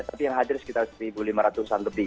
tapi yang hadir sekitar seribu lima ratus an lebih